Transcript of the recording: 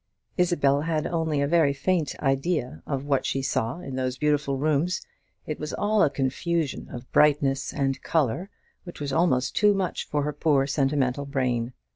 Isabel had only a very faint idea of what she saw in those beautiful rooms. It was all a confusion of brightness and colour, which was almost too much for her poor sentimental brain.